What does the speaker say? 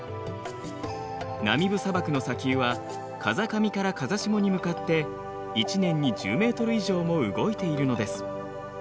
ナミブ砂漠の砂丘は風上から風下に向かって１年に１０ｍ以上も動いているのです。